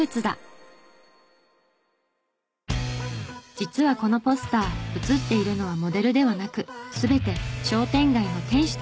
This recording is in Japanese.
実はこのポスター写っているのはモデルではなく全て商店街の店主たち！